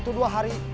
dalam waktu dua hari